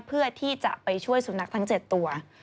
เพื่อที่จะไปช่วยสุนัขทั้ง๗ตัว